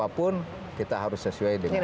apapun kita harus sesuai dengan